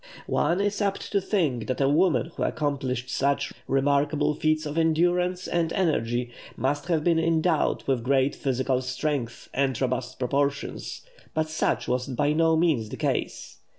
One is apt to think that a woman who accomplished such really remarkable feats of endurance and energy must have been endowed with great physical strength and robust proportions. But such was by no means the case.